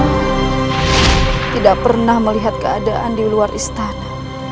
saya tidak pernah melihat keadaan di luar istana